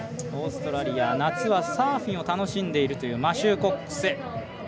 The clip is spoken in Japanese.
オーストラリア夏はサーフィンを楽しんでいるというマシュー・コックス。